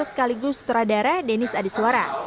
dan sekaligus sutradara deniz adisuara